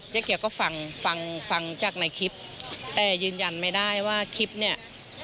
เขียวก็ฟังฟังฟังจากในคลิปแต่ยืนยันไม่ได้ว่าคลิปเนี่ย